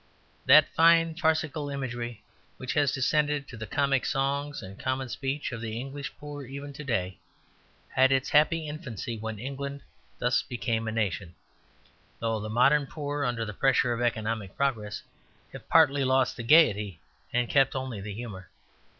That fine farcical imagery, which has descended to the comic songs and common speech of the English poor even to day, had its happy infancy when England thus became a nation; though the modern poor, under the pressure of economic progress, have partly lost the gaiety and kept only the humour.